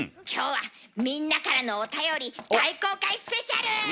今日はみんなからのおたより大公開スペシャル！